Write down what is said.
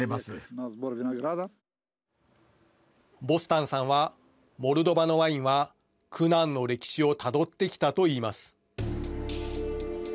ボスタンさんはモルドバのワインは苦難の歴史をたどってきたといいます。